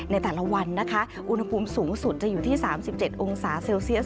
ในแต่ละวันนะคะอุณหภูมิสูงสุดจะอยู่ที่๓๗องศาเซลเซียส